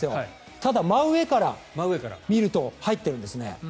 ただ真上から見ると入っているんですね。